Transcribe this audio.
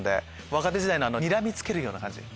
若手時代のにらみ付けるような感じ。